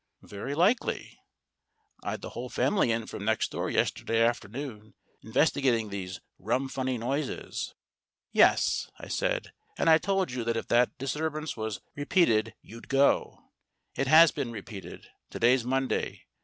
"Very likely. I'd the whole family in from next door yesterday afternoon, investigating these rum funny noises." "Yes," I said; "and I told you that if that dis turbance was repeated, you'd go. It has been repeated. To day's Monday.